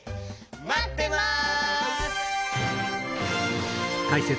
まってます！